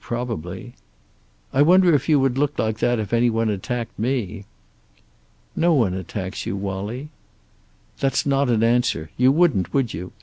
Probably." "I wonder if you would look like that if any one attacked me!" "No one attacks you, Wallie." "That's not an answer. You wouldn't, would you?